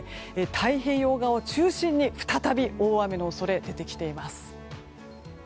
太平洋側を中心に再び大雨の恐れが出てきています。